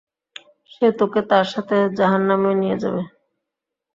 সে তোকে তার সাথে জাহান্নামে নিয়ে যাবে!